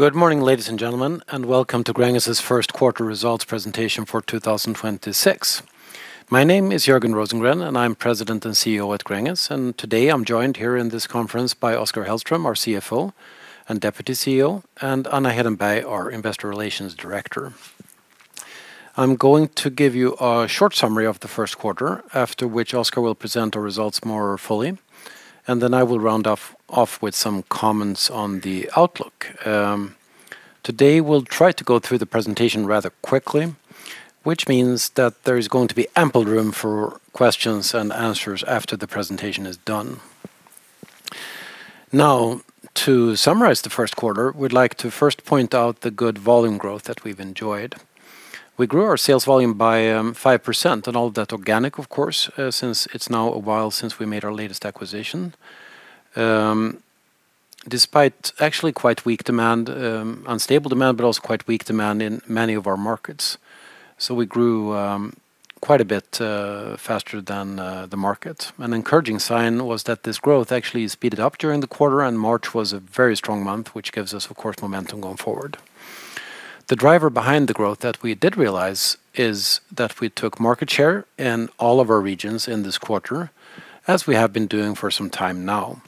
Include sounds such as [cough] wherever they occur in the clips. Good morning, ladies and gentlemen, and welcome to Gränges' first quarter results presentation for 2026. My name is Jörgen Rosengren, and I'm President and CEO at Gränges. Today I'm joined here in this conference by Oskar Hellström, our CFO and Deputy CEO, and Anna Hedenberg, our Investor Relations Director. I'm going to give you a short summary of the first quarter, after which Oskar will present our results more fully, and then I will round off with some comments on the outlook. Today we'll try to go through the presentation rather quickly, which means that there is going to be ample room for questions and answers after the presentation is done. Now, to summarize the first quarter, we'd like to first point out the good volume growth that we've enjoyed. We grew our sales volume by 5%, and all that organic, of course, since it's now a while since we made our latest acquisition. Despite actually quite weak demand, unstable demand, but also quite weak demand in many of our markets, we grew quite a bit faster than the market. An encouraging sign was that this growth actually speeded up during the quarter, and March was a very strong month, which gives us, of course, momentum going forward. The driver behind the growth that we did realize is that we took market share in all of our regions in this quarter, as we have been doing for some time now.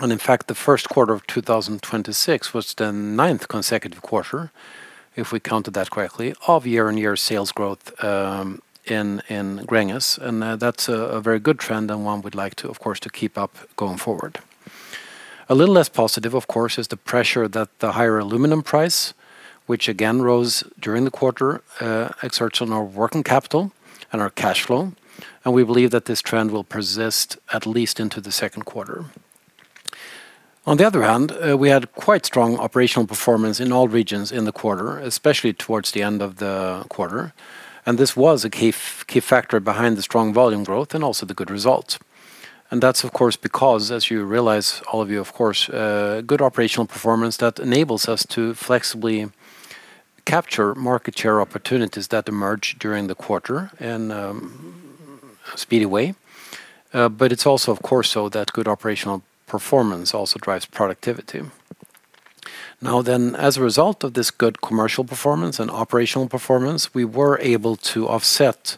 In fact, the first quarter of 2026 was the ninth consecutive quarter, if we counted that correctly, of year-on-year sales growth in Gränges. That's a very good trend, and one we'd like to, of course, keep up going forward. A little less positive, of course, is the pressure that the higher aluminum price, which again rose during the quarter, exerts on our working capital and our cash flow, and we believe that this trend will persist at least into the second quarter. On the other hand, we had quite strong operational performance in all regions in the quarter, especially towards the end of the quarter, and this was a key factor behind the strong volume growth and also the good results. That's, of course, because as you realize, all of you, of course, good operational performance that enables us to flexibly capture market share opportunities that emerge during the quarter in a speedy way. It's also, of course, so that good operational performance also drives productivity. As a result of this good commercial performance and operational performance, we were able to offset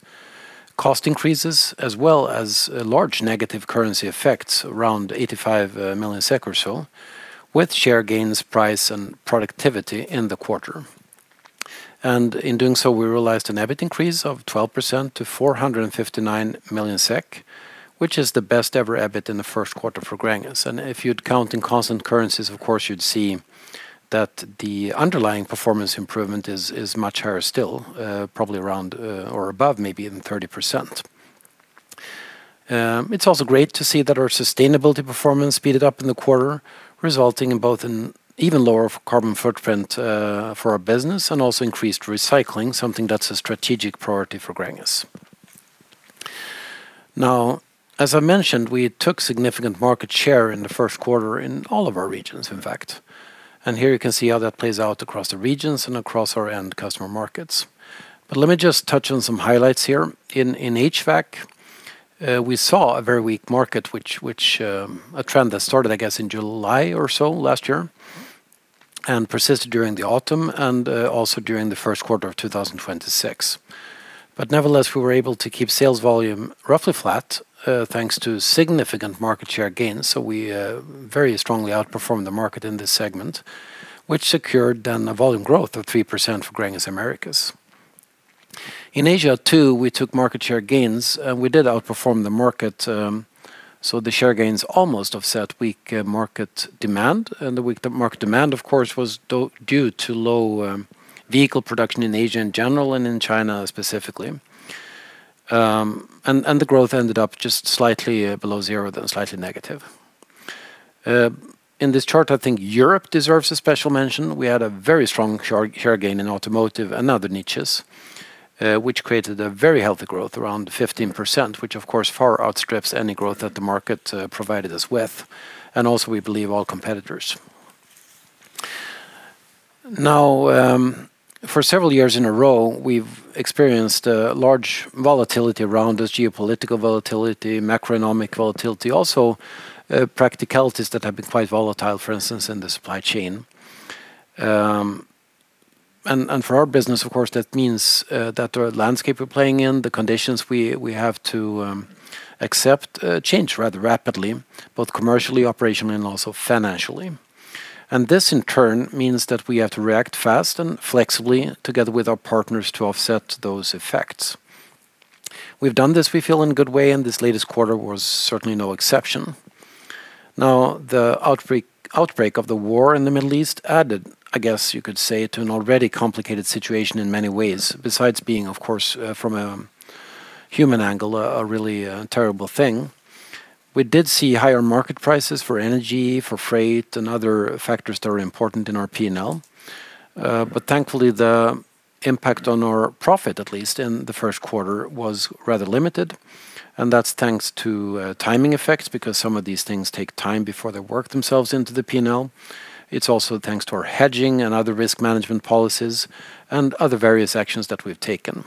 cost increases as well as large negative currency effects, around 85 million SEK or so, with share gains, price, and productivity in the quarter. In doing so, we realized an EBIT increase of 12% to 459 million SEK, which is the best ever EBIT in the first quarter for Gränges. If you'd count in constant currencies, of course, you'd see that the underlying performance improvement is much higher still, probably around or above maybe even 30%. It's also great to see that our sustainability performance speeded up in the quarter, resulting in both an even lower carbon footprint for our business and also increased recycling, something that's a strategic priority for Gränges. Now, as I mentioned, we took significant market share in the first quarter in all of our regions, in fact. Here you can see how that plays out across the regions and across our end customer markets. Let me just touch on some highlights here. In HVAC, we saw a very weak market, a trend that started, I guess, in July or so last year, and persisted during the autumn and also during the first quarter of 2026. Nevertheless, we were able to keep sales volume roughly flat, thanks to significant market share gains. We very strongly outperformed the market in this segment, which secured then a volume growth of 3% for Gränges Americas. In Asia too, we took market share gains. We did outperform the market, so the share gains almost offset weak market demand. The weak market demand, of course, was due to low vehicle production in Asia in general, and in China specifically. The growth ended up just slightly below zero, then slightly negative. In this chart, I think Europe deserves a special mention. We had a very strong share gain in automotive and other niches, which created a very healthy growth around 15%, which of course, far outstrips any growth that the market provided us with, and also, we believe, all competitors. Now, for several years in a row, we've experienced large volatility around us, geopolitical volatility, macroeconomic volatility, also practicalities that have been quite volatile, for instance, in the supply chain. For our business, of course, that means that our landscape we're playing in, the conditions we have to accept, change rather rapidly, both commercially, operationally, and also financially. This in turn means that we have to react fast and flexibly together with our partners to offset those effects. We've done this, we feel, in a good way, and this latest quarter was certainly no exception. Now, the outbreak of the war in the Middle East added, I guess you could say, to an already complicated situation in many ways, besides being, of course, from a human angle, a really terrible thing. We did see higher market prices for energy, for freight, and other factors that are important in our P&L. Thankfully, the impact on our profit, at least in the first quarter, was rather limited, and that's thanks to timing effects, because some of these things take time before they work themselves into the P&L. It's also thanks to our hedging and other risk management policies and other various actions that we've taken.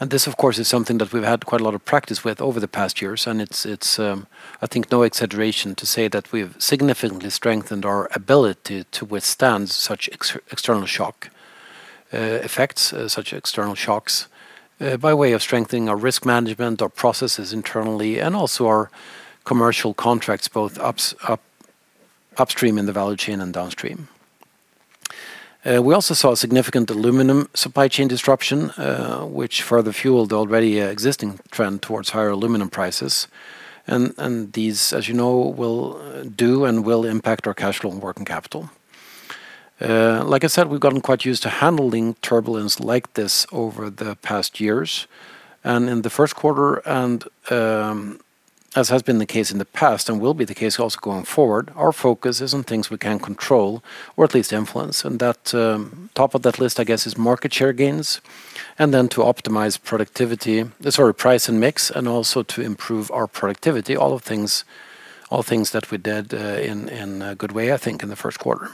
This of course is something that we've had quite a lot of practice with over the past years, and it's I think no exaggeration to say that we've significantly strengthened our ability to withstand such external shock effects, such external shocks, by way of strengthening our risk management, our processes internally, and also our commercial contracts, both upstream in the value chain and downstream. We also saw significant aluminum supply chain disruption, which further fueled the already existing trend towards higher aluminum prices. These, as you know, will do and will impact our cash flow and working capital. Like I said, we've gotten quite used to handling turbulence like this over the past years. In the first quarter, and as has been the case in the past and will be the case also going forward, our focus is on things we can control or at least influence. Top of that list, I guess, is market share gains, and then to optimize productivity, sorry, price and mix, and also to improve our productivity. All things that we did in a good way, I think, in the first quarter.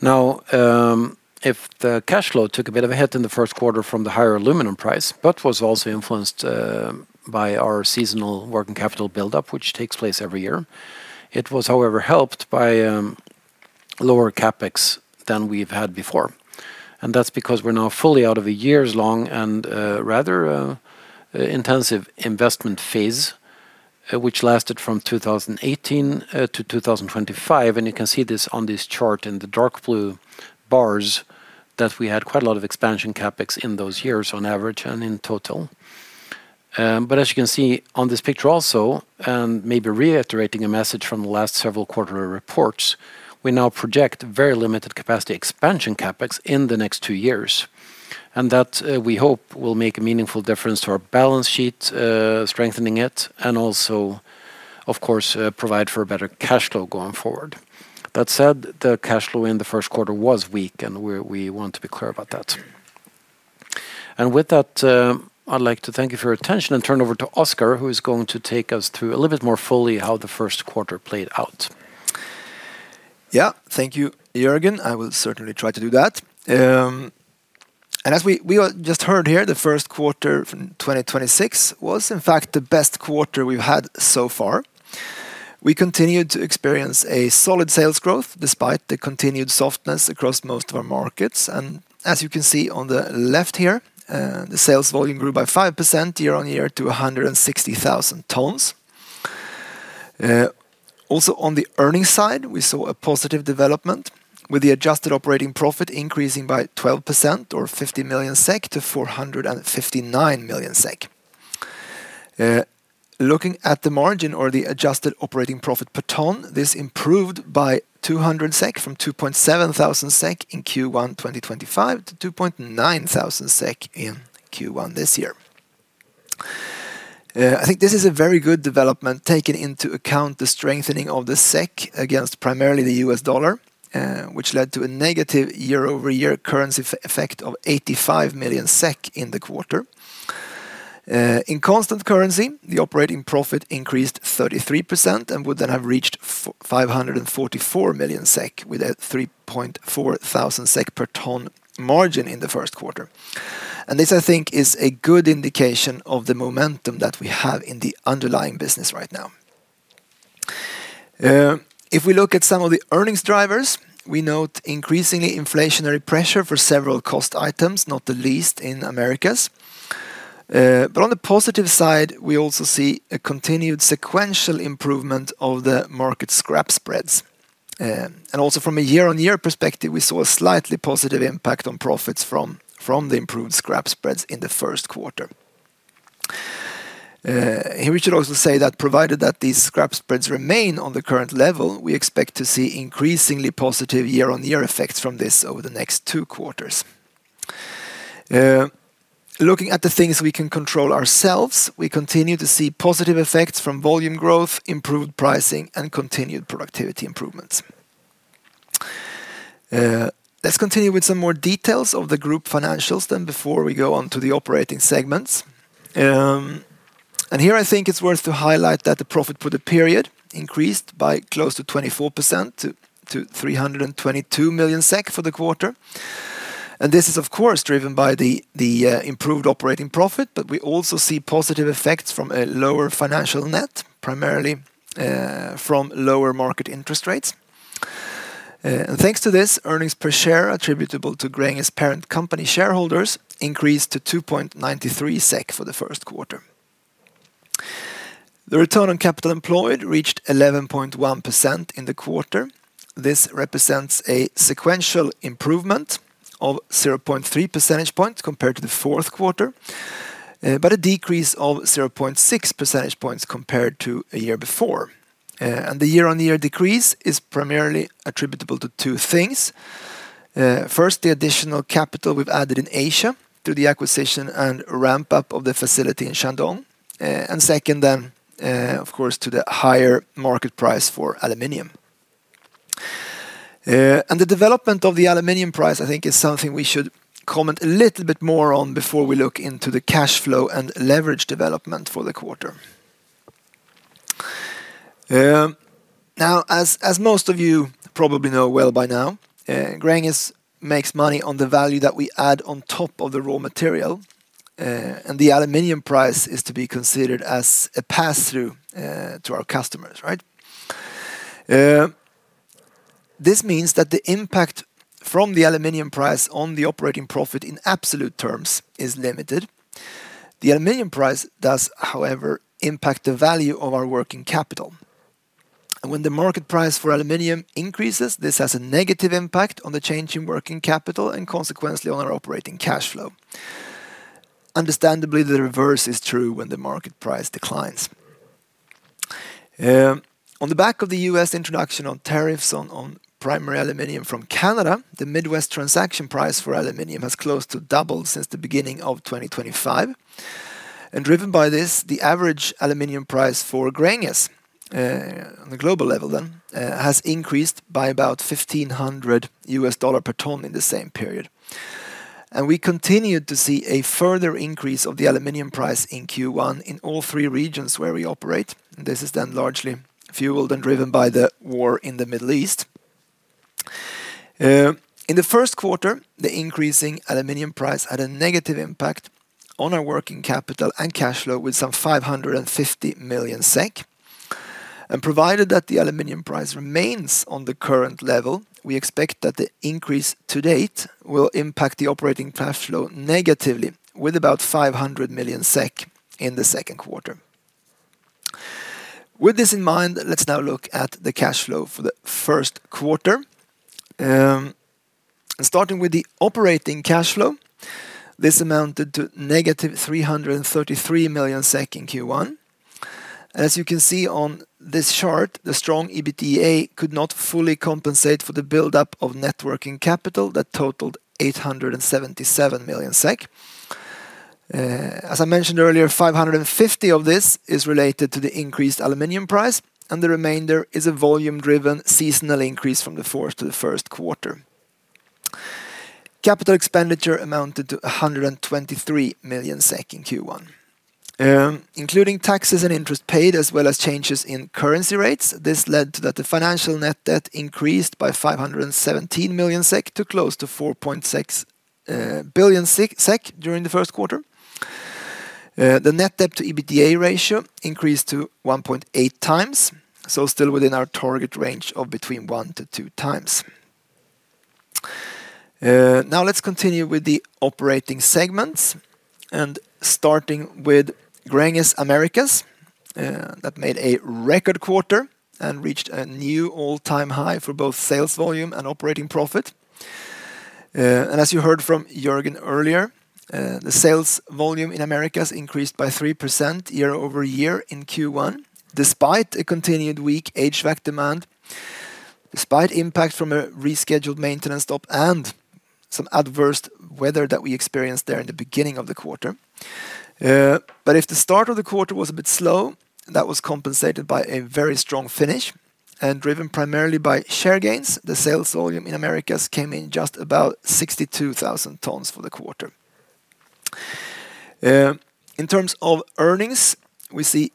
Now, the cash flow took a bit of a hit in the first quarter from the higher aluminum price, but was also influenced by our seasonal working capital buildup, which takes place every year. It was however helped by lower CapEx than we've had before. That's because we're now fully out of a years-long and rather intensive investment phase, which lasted from 2018 to 2025. You can see this on this chart in the dark blue bars, that we had quite a lot of expansion CapEx in those years on average and in total. As you can see on this picture also, and maybe reiterating a message from the last several quarterly reports, we now project very limited capacity expansion CapEx in the next two years. That, we hope, will make a meaningful difference to our balance sheet, strengthening it, and also, of course, provide for a better cash flow going forward. That said, the cash flow in the first quarter was weak, and we want to be clear about that. With that, I'd like to thank you for your attention and turn over to Oskar, who is going to take us through a little bit more fully how the first quarter played out. Yeah. Thank you, Jörgen. I will certainly try to do that. As we all just heard here, the first quarter from 2026 was in fact the best quarter we've had so far. We continued to experience a solid sales growth despite the continued softness across most of our markets. As you can see on the left here, the sales volume grew by 5% year-over-year to 160,000 tons. Also, on the earnings side, we saw a positive development with the adjusted operating profit increasing by 12% or 50 million SEK to 459 million SEK. Looking at the margin or the adjusted operating profit per ton, this improved by 200 SEK from 2,700 SEK in Q1 2025 to 2,900 SEK in Q1 this year. I think this is a very good development, taking into account the strengthening of the SEK against primarily the U.S. dollar, which led to a negative year-over-year currency effect of 85 million SEK in the quarter. In constant currency, the operating profit increased 33% and would then have reached 544 million SEK with a 3,400 SEK per ton margin in the first quarter. This, I think, is a good indication of the momentum that we have in the underlying business right now. If we look at some of the earnings drivers, we note increasingly inflationary pressure for several cost items, not the least in Americas. On the positive side, we also see a continued sequential improvement of the market scrap spreads. Also from a year-on-year perspective, we saw a slightly positive impact on profits from the improved scrap spreads in the first quarter. Here, we should also say that provided that these scrap spreads remain on the current level, we expect to see increasingly positive year-on-year effects from this over the next two quarters. Looking at the things we can control ourselves, we continue to see positive effects from volume growth, improved pricing, and continued productivity improvements. Let's continue with some more details of the group financials then before we go on to the operating segments. Here I think it's worth to highlight that the profit for the period increased by close to 24% to 322 million SEK for the quarter. This is of course driven by the improved operating profit, but we also see positive effects from a lower financial net, primarily from lower market interest rates. Thanks to this, earnings per share attributable to Gränges parent company shareholders increased to 2.93 SEK for the first quarter. The return on capital employed reached 11.1% in the quarter. This represents a sequential improvement of 0.3 percentage points compared to the fourth quarter, but a decrease of 0.6 percentage points compared to a year before. The year-on-year decrease is primarily attributable to two things. First, the additional capital we've added in Asia through the acquisition and ramp-up of the facility in Shandong. Second then, of course, to the higher market price for aluminum. The development of the aluminum price, I think is something we should comment a little bit more on before we look into the cash flow and leverage development for the quarter. Now, as most of you probably know well by now, Gränges makes money on the value that we add on top of the raw material, and the aluminum price is to be considered as a pass-through to our customers. This means that the impact from the aluminum price on the operating profit in absolute terms is limited. The aluminum price does, however, impact the value of our working capital. When the market price for aluminum increases, this has a negative impact on the change in working capital and consequently on our operating cash flow. Understandably, the reverse is true when the market price declines. On the back of the U.S. introduction of tariffs on primary aluminum from Canada, the Midwest Transaction Price for aluminum has almost doubled since the beginning of 2025. Driven by this, the average aluminum price for Gränges on the global level then has increased by about $1,500 per ton in the same period. We continued to see a further increase of the aluminum price in Q1 in all three regions where we operate. This is then largely fueled and driven by the war in the Middle East. In the first quarter, the increasing aluminum price had a negative impact on our working capital and cash flow with 550 million SEK. Provided that the aluminum price remains on the current level, we expect that the increase to date will impact the operating cash flow negatively with about 500 million SEK in the second quarter. With this in mind, let's now look at the cash flow for the first quarter. Starting with the operating cash flow, this amounted to -333 million SEK in Q1. As you can see on this chart, the strong EBITDA could not fully compensate for the buildup of net working capital that totaled 877 million SEK. As I mentioned earlier, 550 million of this is related to the increased aluminum price, and the remainder is a volume-driven seasonal increase from the fourth to the first quarter. Capital expenditure amounted to 123 million SEK in Q1. Including taxes and interest paid as well as changes in currency rates, this led to the financial net debt increased by 517 million SEK to close to 4.6 billion SEK during the first quarter. The net debt to EBITDA ratio increased to 1.8x, so still within our target range of between 1x-2x. Now let's continue with the operating segments and starting with Gränges Americas. That made a record quarter and reached a new all-time high for both sales volume and operating profit. As you heard from Jörgen earlier, the sales volume in Americas increased by 3% year-over-year in Q1, despite a continued weak HVAC demand, despite impact from a rescheduled maintenance stop and some adverse weather that we experienced there in the beginning of the quarter. If the start of the quarter was a bit slow, that was compensated by a very strong finish and driven primarily by share gains, the sales volume in Americas came in just about 62,000 tons for the quarter. In terms of earnings, we see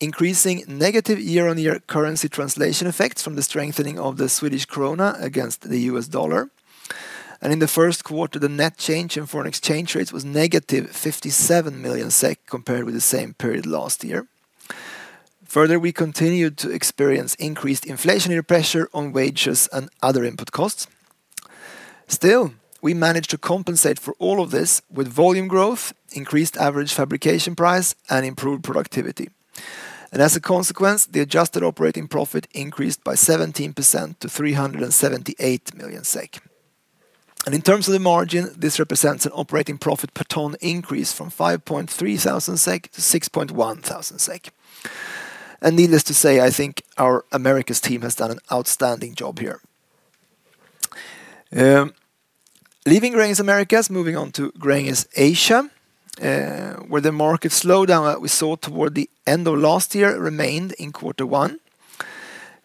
increasing negative year-on-year currency translation effects from the strengthening of the Swedish krona against the U.S. dollar. In the first quarter, the net change in foreign exchange rates was -57 million SEK compared with the same period last year. Further, we continued to experience increased inflationary pressure on wages and other input costs. Still, we managed to compensate for all of this with volume growth, increased average fabrication price, and improved productivity. As a consequence, the adjusted operating profit increased by 17% to 378 million SEK. In terms of the margin, this represents an operating profit per ton increase from 5,300 SEK to 6,100 SEK. Needless to say, I think our Americas team has done an outstanding job here. Leaving Gränges Americas, moving on to Gränges Asia, where the market slowdown that we saw toward the end of last year remained in quarter one.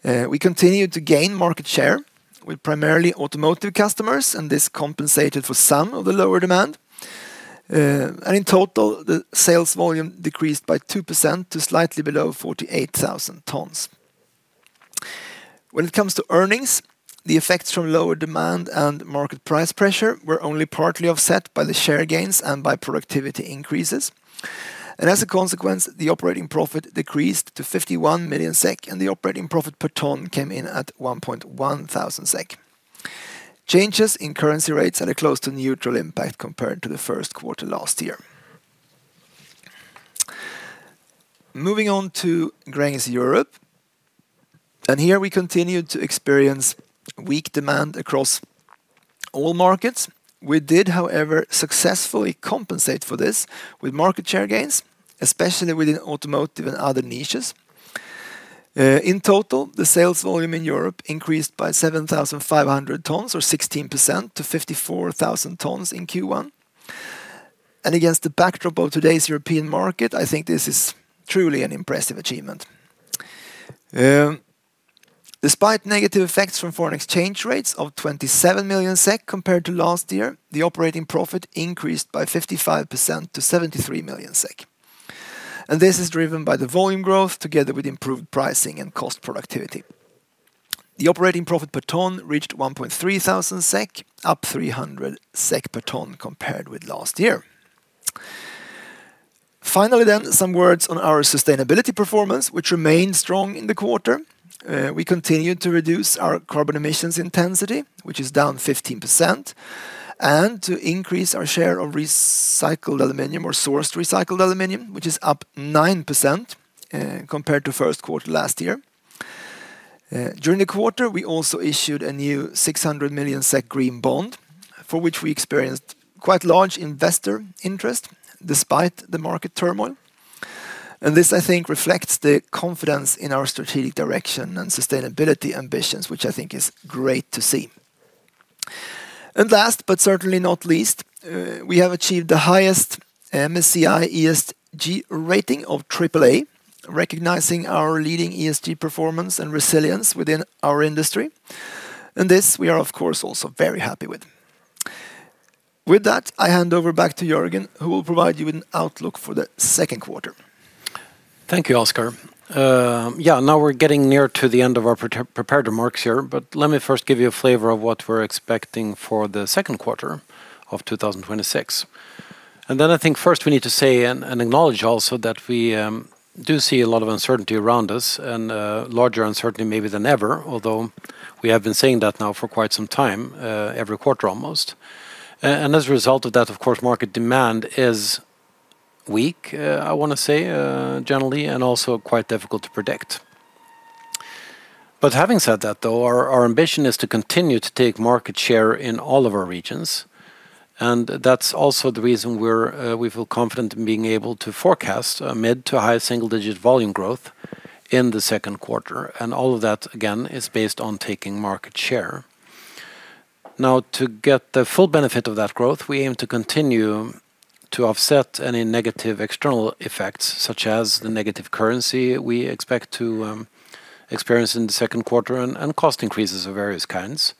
We continued to gain market share with primarily automotive customers, and this compensated for some of the lower demand. In total, the sales volume decreased by 2% to slightly below 48,000 tons. When it comes to earnings, the effects from lower demand and market price pressure were only partly offset by the share gains and by productivity increases. As a consequence, the operating profit decreased to 51 million SEK, and the operating profit per ton came in at 1,100 SEK. Changes in currency rates had a close to neutral impact compared to the first quarter last year. Moving on to Gränges Europe, here we continued to experience weak demand across all markets. We did, however, successfully compensate for this with market share gains, especially within automotive and other niches. In total, the sales volume in Europe increased by 7,500 tons or 16% to 54,000 tons in Q1. Against the backdrop of today's European market, I think this is truly an impressive achievement. Despite negative effects from foreign exchange rates of 27 million SEK compared to last year, the operating profit increased by 55% to 73 million SEK. This is driven by the volume growth together with improved pricing and cost productivity. The operating profit per ton reached 1,300 SEK, up 300 SEK per ton compared with last year. Finally, then, some words on our sustainability performance, which remained strong in the quarter. We continued to reduce our carbon emissions intensity, which is down 15%, and to increase our share of recycled aluminum or sourced recycled aluminum, which is up 9% compared to first quarter last year. During the quarter, we also issued a new 600 million SEK green bond, for which we experienced quite large investor interest despite the market turmoil. This, I think, reflects the confidence in our strategic direction and sustainability ambitions, which I think is great to see. Last but certainly not least, we have achieved the highest MSCI ESG rating of AAA, recognizing our leading ESG performance and resilience within our industry. This we are, of course, also very happy with. With that, I hand over back to Jörgen, who will provide you an outlook for the second quarter. Thank you, Oskar. Yeah. Now we're getting near to the end of our prepared remarks here, but let me first give you a flavor of what we're expecting for the second quarter of 2026. Then I think first we need to say and acknowledge also that we do see a lot of uncertainty around us and larger uncertainty maybe than ever, although we have been saying that now for quite some time, every quarter almost. As a result of that, of course, market demand is weak, I want to say, generally, and also quite difficult to predict. Having said that though, our ambition is to continue to take market share in all of our regions, and that's also the reason we feel confident in being able to forecast a mid to high single-digit volume growth in the second quarter, and all of that, again, is based on taking market share. Now, to get the full benefit of that growth, we aim to continue to offset any negative external effects, such as the negative currency we expect to experience in the second quarter and cost increases of various kinds.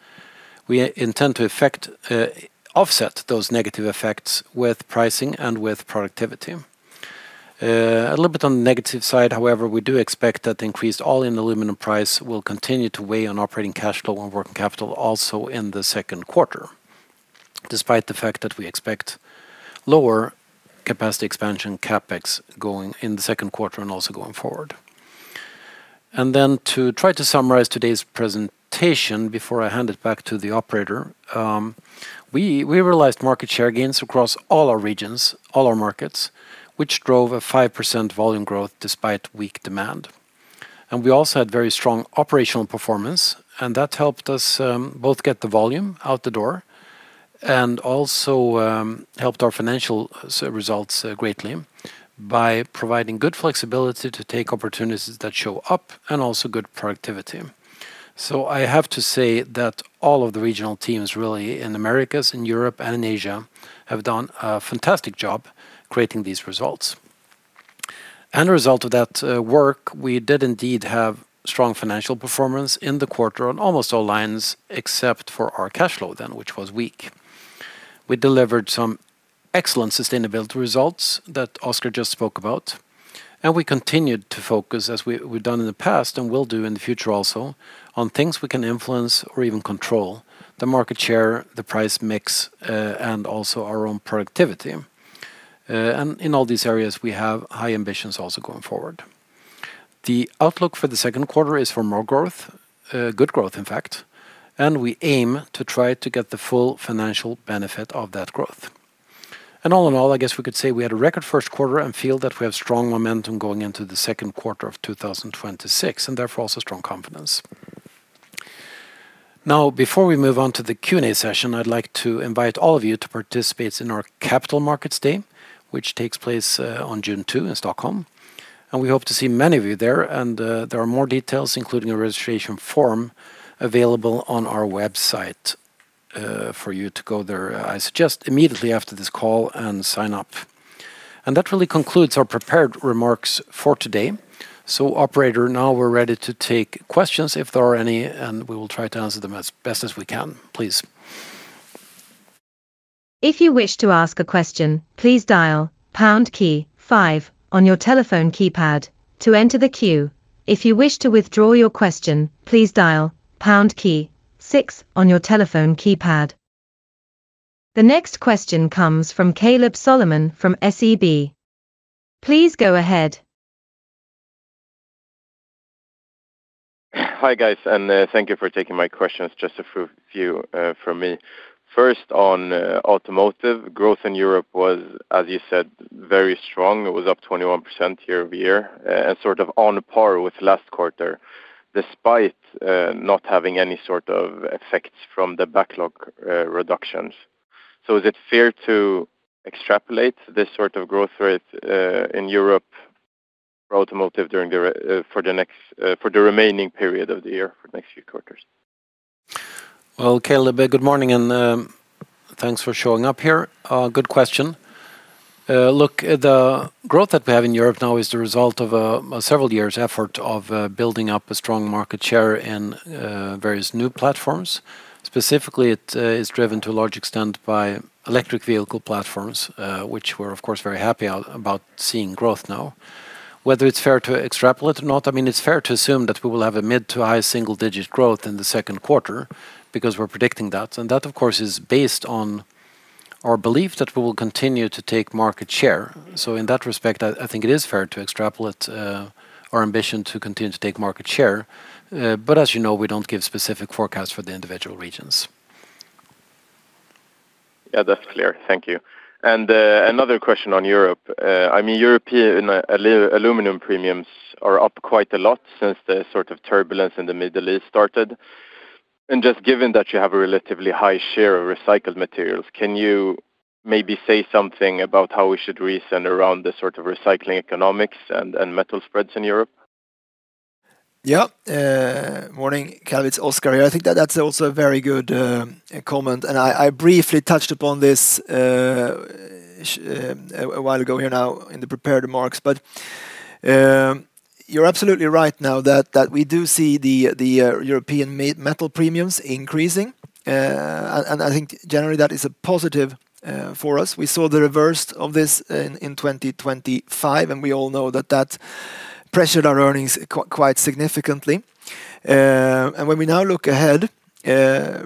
We intend to offset those negative effects with pricing and with productivity. A little bit on the negative side, however, we do expect that the increased all-in aluminum price will continue to weigh on operating cash flow and working capital also in the second quarter, despite the fact that we expect lower capacity expansion CapEx in the second quarter and also going forward. Then to try to summarize today's presentation before I hand it back to the operator, we realized market share gains across all our regions, all our markets, which drove a 5% volume growth despite weak demand. We also had very strong operational performance, and that helped us both get the volume out the door and also helped our financial results greatly by providing good flexibility to take opportunities that show up and also good productivity. I have to say that all of the regional teams really in Americas, in Europe, and in Asia have done a fantastic job creating these results. A result of that work, we did indeed have strong financial performance in the quarter on almost all lines except for our cash flow then, which was weak. We delivered some excellent sustainability results that Oskar Hellström just spoke about, and we continued to focus as we've done in the past and will do in the future also on things we can influence or even control, the market share, the price mix, and also our own productivity. In all these areas, we have high ambitions also going forward. The outlook for the second quarter is for more growth, good growth in fact, and we aim to try to get the full financial benefit of that growth. All in all, I guess we could say we had a record first quarter and feel that we have strong momentum going into the second quarter of 2026, and therefore also strong confidence. Now, before we move on to the Q&A session, I'd like to invite all of you to participate in our Capital Markets Day, which takes place on June 2 in Stockholm, and we hope to see many of you there. There are more details, including a registration form available on our website for you to go there immediately after this call and sign up. That really concludes our prepared remarks for today. Operator, now we're ready to take questions if there are any, and we will try to answer them as best as we can. Please. The next question comes from Kaleb Solomon from SEB. Please go ahead. Hi, guys, and thank you for taking my questions. Just a few from me. First, on automotive, growth in Europe was, as you said, very strong. It was up 21% year-over-year and sort of on par with last quarter despite not having any sort of effects from the backlog reductions. Is it fair to extrapolate this sort of growth rate in Europe for automotive for the remaining period of the year for next few quarters? Well, Kaleb, good morning, and thanks for showing up here. Good question. Look, the growth that we have in Europe now is the result of several years' effort of building up a strong market share in various new platforms. Specifically, it is driven to a large extent by electric vehicle platforms, which we're, of course, very happy about seeing growth now. Whether it's fair to extrapolate or not, it's fair to assume that we will have a mid to high single-digit growth in the second quarter because we're predicting that. That, of course, is based on our belief that we will continue to take market share. In that respect, I think it is fair to extrapolate our ambition to continue to take market share. As you know, we don't give specific forecasts for the individual regions. Yeah, that's clear. Thank you. Another question on Europe. European aluminum premiums are up quite a lot since the turbulence in the Middle East started. Just given that you have a relatively high share of recycled materials, can you maybe say something about how we should reason around the recycling economics and metal spreads in Europe? Yeah. Good morning, Kaleb, it's Oskar here. I think that's also a very good comment, and I briefly touched upon this a while ago here now in the prepared remarks. You're absolutely right now that we do see the European metal premiums increasing. I think generally that is a positive for us. We saw the reverse of this in 2025, and we all know that that pressured our earnings quite significantly. When we now look ahead,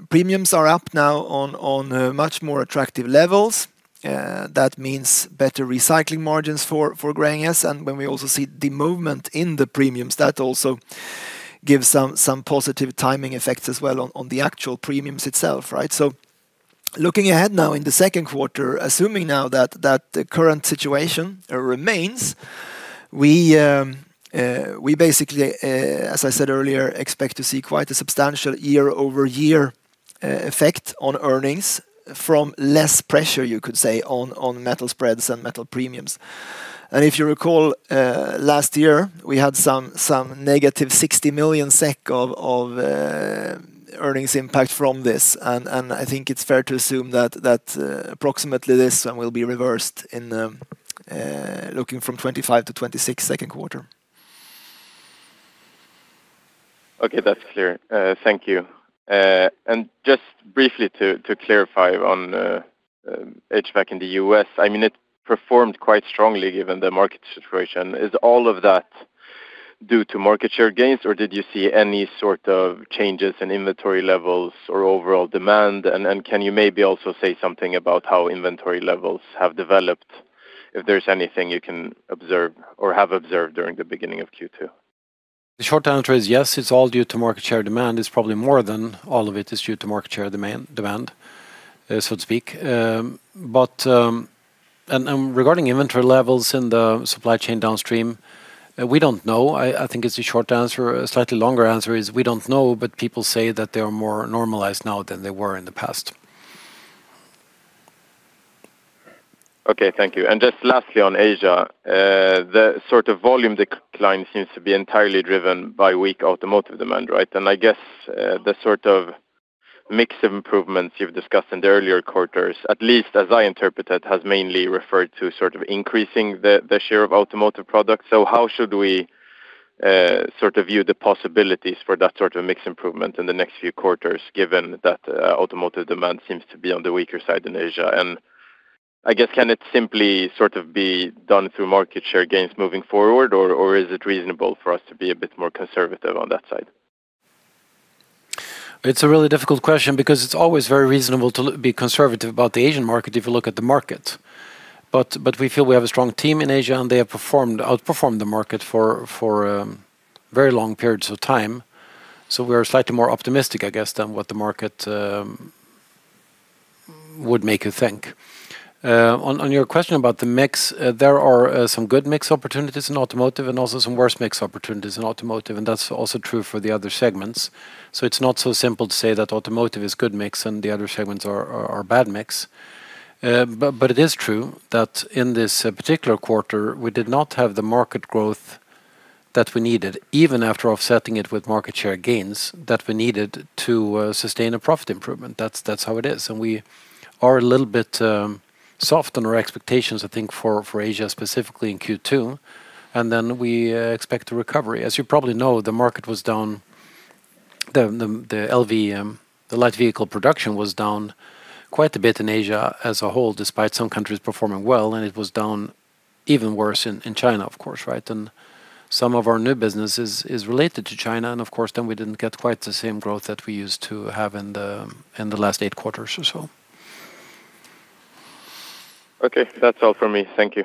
premiums are up now on much more attractive levels. That means better recycling margins for Gränges. When we also see the movement in the premiums, that also gives some positive timing effects as well on the actual premiums itself. Looking ahead now in the second quarter, assuming now that the current situation remains, we basically, as I said earlier, expect to see quite a substantial year-over-year effect on earnings from less pressure, you could say, on metal spreads and metal premiums. If you recall, last year, we had some -60 million SEK of earnings impact from this. I think it's fair to assume that approximately this one will be reversed looking from 2025 to 2026 second quarter. Okay. That's clear. Thank you. Just briefly to clarify on HVAC in the U.S., it performed quite strongly given the market situation. Is all of that due to market share gains, or did you see any sort of changes in inventory levels or overall demand? Can you maybe also say something about how inventory levels have developed, if there's anything you can observe or have observed during the beginning of Q2? The short answer is yes, it's all due to market share demand. It's probably more than all of it is due to market share demand, so to speak. Regarding inventory levels in the supply chain downstream, we don't know. I think it's the short answer. A slightly longer answer is we don't know, but people say that they are more normalized now than they were in the past. Okay. Thank you. Just lastly, on Asia, the volume decline seems to be entirely driven by weak automotive demand. I guess the mix of improvements you've discussed in the earlier quarters, at least as I interpreted, has mainly referred to increasing the share of automotive products. How should we view the possibilities for that sort of mix improvement in the next few quarters, given that automotive demand seems to be on the weaker side in Asia? I guess can it simply be done through market share gains moving forward, or is it reasonable for us to be a bit more conservative on that side? It's a really difficult question because it's always very reasonable to be conservative about the Asian market if you look at the market. We feel we have a strong team in Asia, and they have outperformed the market for very long periods of time. We're slightly more optimistic, I guess, than what the market would make you think. On your question about the mix, there are some good mix opportunities in automotive and also some worse mix opportunities in automotive, and that's also true for the other segments. It's not so simple to say that automotive is good mix and the other segments are bad mix. It is true that in this particular quarter, we did not have the market growth that we needed, even after offsetting it with market share gains that we needed to sustain a profit improvement. That's how it is. We are a little bit soft on our expectations, I think, for Asia, specifically in Q2. We expect a recovery. As you probably know, the market was down, the light vehicle production was down quite a bit in Asia as a whole, despite some countries performing well, and it was down even worse in China, of course. Some of our new business is related to China, and of course, then we didn't get quite the same growth that we used to have in the last eight quarters or so. Okay. That's all from me. Thank you.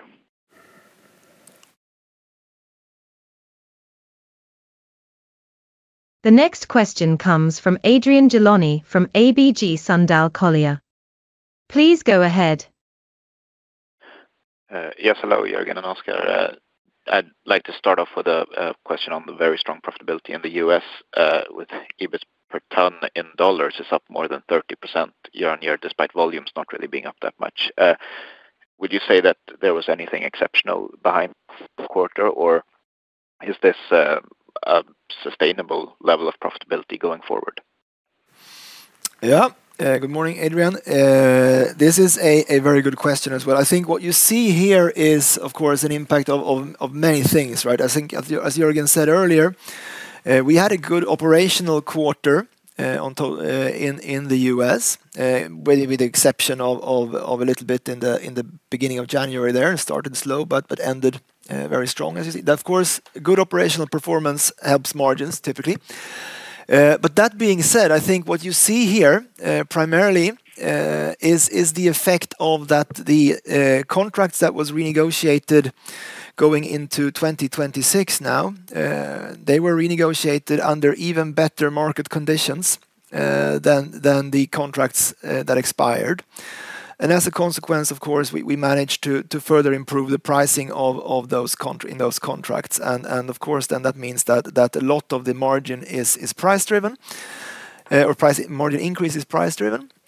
The next question comes from Adrian Gilani from ABG Sundal Collier. Please go ahead. Yes. Hello, Jörgen and Oskar. I'd like to start off with a question on the very strong profitability in the U.S., with EBIT per ton in dollars is up more than 30% year-on-year, despite volumes not really being up that much. Would you say that there was anything exceptional behind [inaudible] quarter or is this a sustainable level of profitability going forward? Yeah. Good morning, Adrian. This is a very good question as well. I think what you see here is, of course, an impact of many things, right? I think, as Jörgen said earlier, we had a good operational quarter in the U.S., with the exception of a little bit in the beginning of January there. It started slow, but ended very strong, as you see. Of course, good operational performance helps margins typically. That being said, I think what you see here primarily is the effect of the contracts that was renegotiated going into 2026 now. They were renegotiated under even better market conditions than the contracts that expired. As a consequence, of course, we managed to further improve the pricing in those contracts. Of course, then that means that a lot of the margin is price-driven, or margin increase is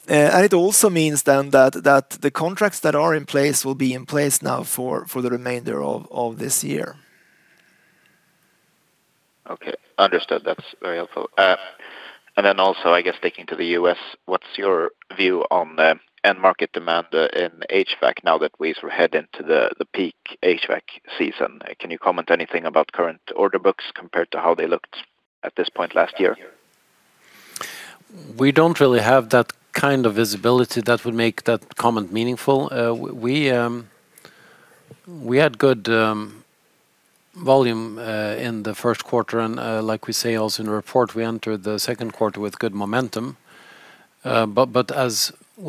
price-driven. It also means then that the contracts that are in place will be in place now for the remainder of this year. Okay, understood. That's very helpful. Also, I guess, sticking to the U.S., what's your view on end market demand in HVAC now that we head into the peak HVAC season? Can you comment anything about current order books compared to how they looked at this point last year? We don't really have that kind of visibility that would make that comment meaningful. We had good volume, in the first quarter and, like we say also in the report, we entered the second quarter with good momentum.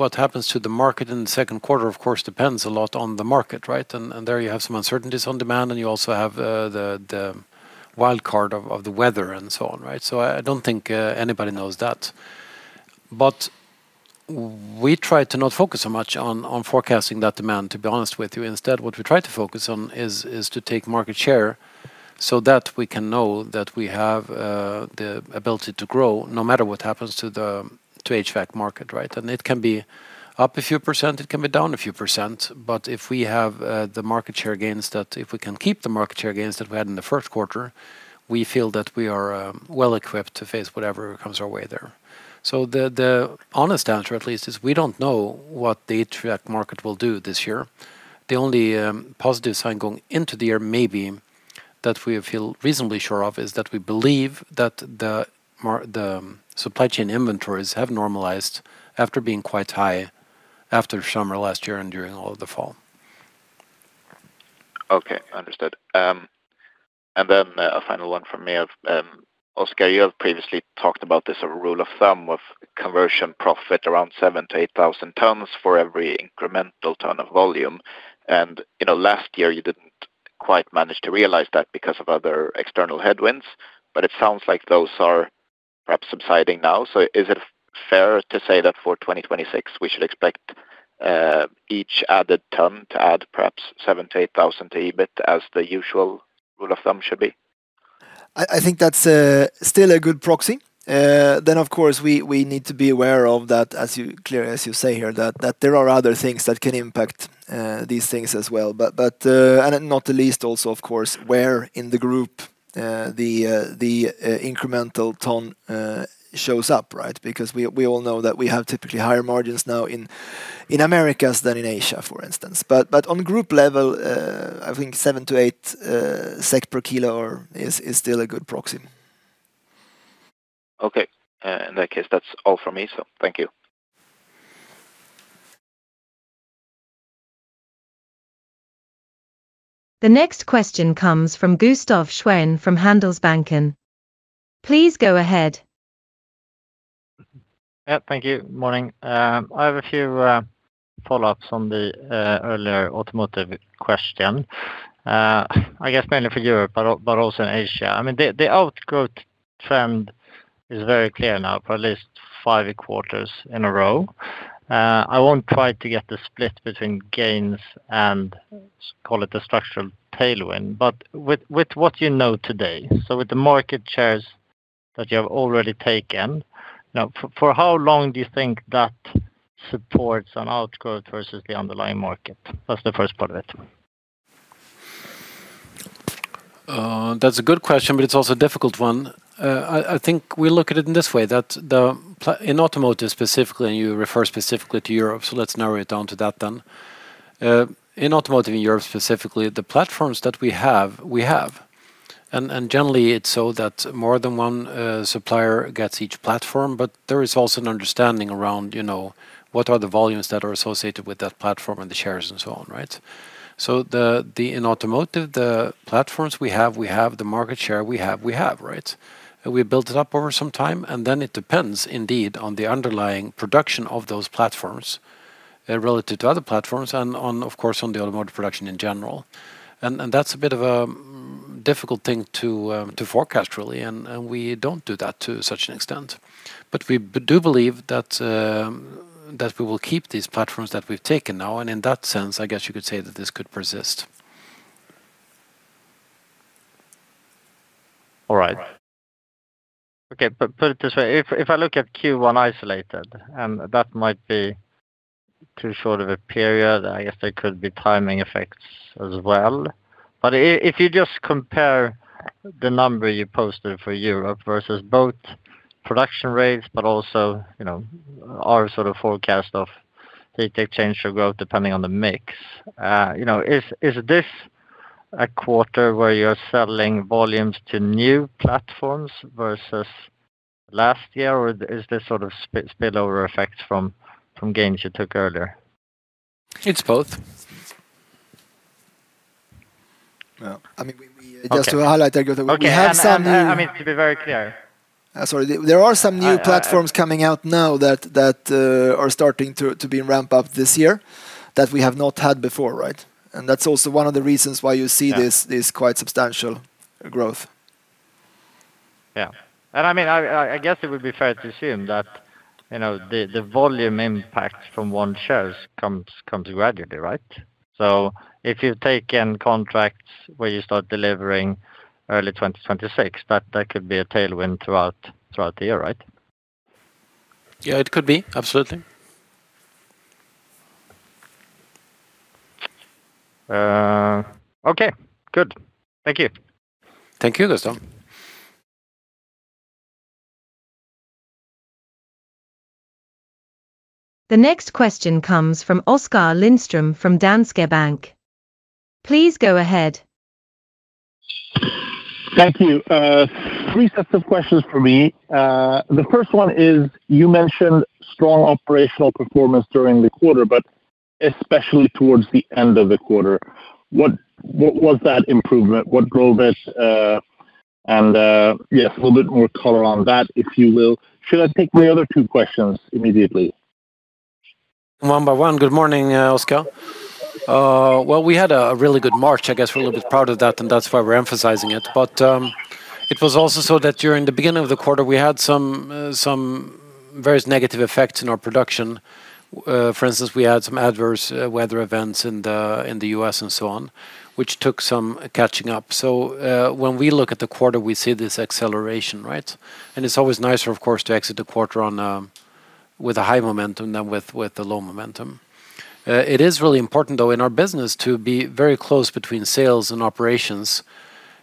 What happens to the market in the second quarter, of course, depends a lot on the market, right? There you have some uncertainties on demand, and you also have the wild card of the weather and so on, right? I don't think anybody knows that. We try to not focus so much on forecasting that demand, to be honest with you. Instead, what we try to focus on is to take market share so that we can know that we have the ability to grow no matter what happens to HVAC market, right? It can be up a few percent, it can be down a few percent. If we can keep the market share gains that we had in the first quarter, we feel that we are well-equipped to face whatever comes our way there. The honest answer, at least, is we don't know what the HVAC market will do this year. The only positive sign going into the year, maybe, that we feel reasonably sure of, is that we believe that the supply chain inventories have normalized after being quite high after summer last year and during all of the fall. Okay, understood. A final one from me. Oskar, you have previously talked about this, a rule of thumb of conversion profit around 7,000-8,000 tons for every incremental ton of volume. Last year, you didn't quite manage to realize that because of other external headwinds, but it sounds like those are perhaps subsiding now. Is it fair to say that for 2026, we should expect each added ton to add perhaps 7,000-8,000 to EBIT as the usual rule of thumb should be? I think that's still a good proxy. Of course, we need to be aware of that, as you say here, that there are other things that can impact these things as well. Not the least also, of course, where in the group the incremental ton shows up, right? Because we all know that we have typically higher margins now in Americas than in Asia, for instance. On group level, I think 7,000-8,000 SEK per kilo is still a good proxy. Okay. In that case, that's all from me, so thank you. The next question comes from Gustaf Schwerin from Handelsbanken. Please go ahead. Yeah, thank you. Morning. I have a few follow-ups on the earlier automotive question. I guess mainly for Europe, but also in Asia. I mean, the outgrowth trend is very clear now for at least five quarters in a row. I won't try to get the split between gains and call it a structural tailwind, but with what you know today, so with the market shares that you have already taken, now, for how long do you think that supports an outgrowth versus the underlying market? That's the first part of it. That's a good question, but it's also a difficult one. I think we look at it in this way, that in automotive specifically, and you refer specifically to Europe, so let's narrow it down to that then. In automotive, in Europe specifically, the platforms that we have. Generally, it's so that more than one supplier gets each platform, but there is also an understanding around what are the volumes that are associated with that platform and the shares and so on, right? In automotive, the platforms we have. The market share we have, right? We built it up over some time, and then it depends indeed on the underlying production of those platforms relative to other platforms and, of course, on the automotive production in general. That's a bit of a difficult thing to forecast, really. We don't do that to such an extent. We do believe that we will keep these platforms that we've taken now, and in that sense, I guess you could say that this could persist. All right. Okay, put it this way. If I look at Q1 isolated, and that might be too short of a period, I guess there could be timing effects as well. If you just compare the number you posted for Europe versus both production rates, but also our sort of forecast of the change of growth depending on the mix. Is this a quarter where you're selling volumes to new platforms versus last year? Is this sort of spillover effects from gains you took earlier? It's both. Yeah. Just to highlight that, Gustaf, we have some new- Okay. I mean, to be very clear. Sorry. There are some new platforms coming out now that are starting to be ramped up this year that we have not had before, right? That's also one of the reasons why you see this. Yeah. This quite substantial growth. Yeah. I guess it would be fair to assume that the volume impact from own shares comes gradually, right? If you take in contracts where you start delivering early 2026, that could be a tailwind throughout the year, right? Yeah, it could be. Absolutely. Okay, good. Thank you. Thank you, Gustaf. The next question comes from Oskar Lindström from Danske Bank. Please go ahead. Thank you. Three sets of questions from me. The first one is, you mentioned strong operational performance during the quarter, but especially towards the end of the quarter. What was that improvement? What drove it? And, yes, a little bit more color on that, if you will. Should I take my other two questions immediately? One by one. Good morning, Oskar. Well, we had a really good March, I guess we're a little bit proud of that and that's why we're emphasizing it. It was also so that during the beginning of the quarter, we had some various negative effects in our production. For instance, we had some adverse weather events in the U.S. and so on, which took some catching up. When we look at the quarter, we see this acceleration, right? It's always nicer, of course, to exit the quarter with a high momentum than with a low momentum. It is really important though in our business to be very close between sales and operations,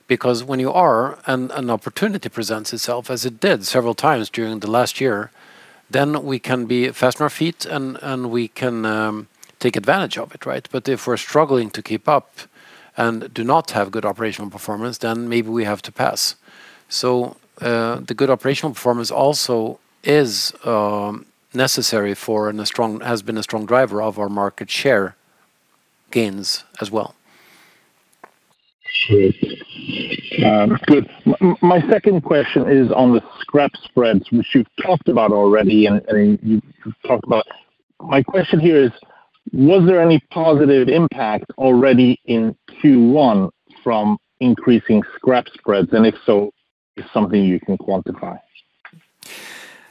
because when you are and an opportunity presents itself, as it did several times during the last year, then we can be fast on our feet and we can take advantage of it, right? If we're struggling to keep up and do not have good operational performance, then maybe we have to pass. The good operational performance also is necessary for, and has been a strong driver of our market share gains as well. Sure. Good. My second question is on the scrap spreads, which you've talked about already. My question here is, was there any positive impact already in Q1 from increasing scrap spreads? And if so, is it something you can quantify?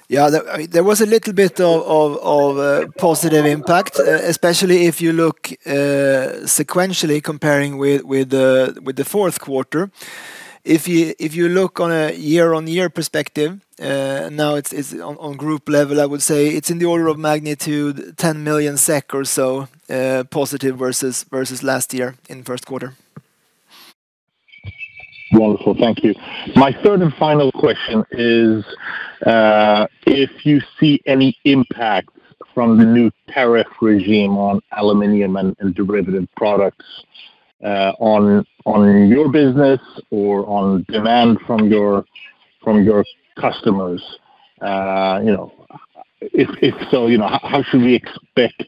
Yeah, there was a little bit of positive impact, especially if you look sequentially comparing with the fourth quarter. If you look on a year-on-year perspective, now it's on group level, I would say it's in the order of magnitude 10 million SEK or so, positive versus last year in first quarter. Wonderful. Thank you. My third and final question is, if you see any impact from the new tariff regime on aluminum and derivative products, on your business or on demand from your customers? If so, how should we expect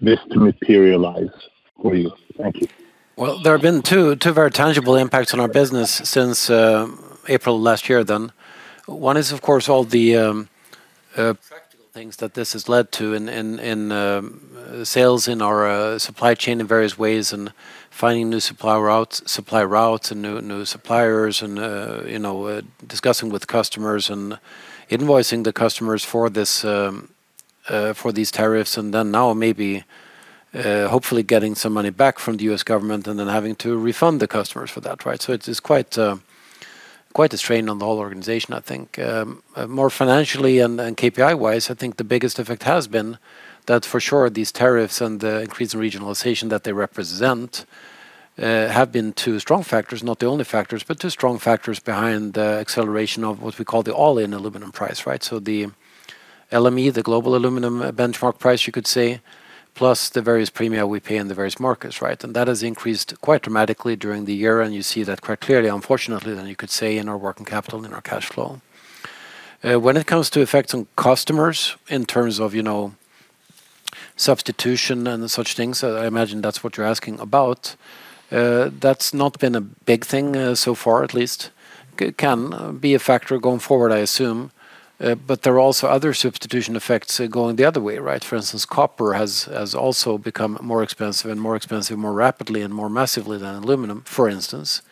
this to materialize for you? Thank you. Well, there have been two very tangible impacts on our business since April last year then. One is, of course, all the practical things that this has led to in sales in our supply chain in various ways, and finding new supply routes, and new suppliers and discussing with customers and invoicing the customers for these tariffs. Now maybe, hopefully getting some money back from the U.S. government and then having to refund the customers for that, right? It is quite a strain on the whole organization, I think. More financially and KPI wise, I think the biggest effect has been that for sure these tariffs and the increased regionalization that they represent, have been two strong factors, not the only factors, but two strong factors behind the acceleration of what we call the all-in aluminum price, right? The LME, the global aluminum benchmark price, you could say, plus the various premium we pay in the various markets, right? That has increased quite dramatically during the year, and you see that quite clearly, unfortunately, more than you could say in our working capital, in our cash flow. When it comes to effects on customers in terms of substitution and such things, I imagine that's what you're asking about. That's not been a big thing so far, at least. It can be a factor going forward, I assume. There are also other substitution effects going the other way, right? For instance, copper has also become more expensive, more rapidly and more massively than aluminum, for instance.